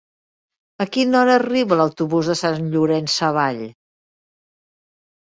A quina hora arriba l'autobús de Sant Llorenç Savall?